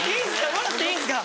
もらっていいんですか？